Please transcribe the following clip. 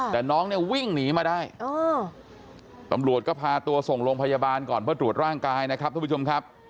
แต่น้องเนี่ยวิ่งหนีมาได้ตำรวจก็พาตัวส่งโรงพยาบาลก่อนเพื่อตรวจร่างกายนะครับทุกผู้ชมครับ